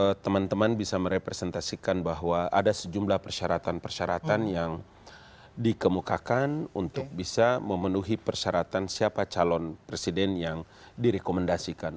sehingga teman teman bisa merepresentasikan bahwa ada sejumlah persyaratan persyaratan yang dikemukakan untuk bisa memenuhi persyaratan siapa calon presiden yang direkomendasikan